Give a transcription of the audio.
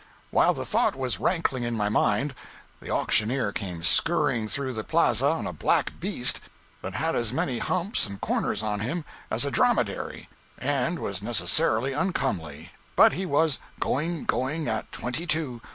While the thought was rankling in my mind, the auctioneer came skurrying through the plaza on a black beast that had as many humps and corners on him as a dromedary, and was necessarily uncomely; but he was "going, going, at twenty two!